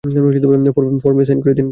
ফর্মে সাইন করে দিন।